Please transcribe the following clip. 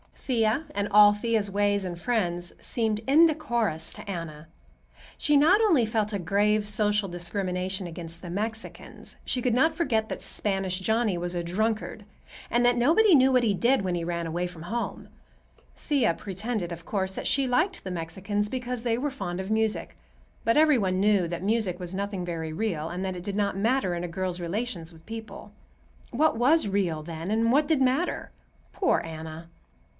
Thea, and all Thea's ways and friends, seemed indecorous to Anna. She not only felt a grave social discrimination against the Mexicans; she could not forget that Spanish Johnny was a drunkard and that "nobody knew what he did when he ran away from home." Thea pretended, of course, that she liked the Mexicans because they were fond of music; but every one knew that music was nothing very real, and that it did not matter in a girl's relations with people. What was real, then, and what did matter? Poor Anna!